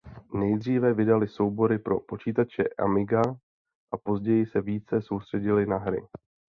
Nejdříve vydávali soubory pro počítače Amiga a později se více soustředili na hry.